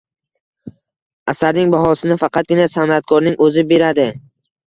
Asarning bahosini faqatgina san’atkorning o‘zi beradi.